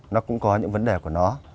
nó cũng có những vấn đề của nó